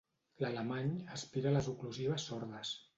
L'alemany aspira les oclusives sordes.